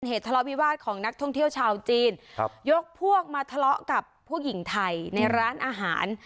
ทะเลาวิวาสของนักท่องเที่ยวชาวจีนครับยกพวกมาทะเลาะกับผู้หญิงไทยในร้านอาหาร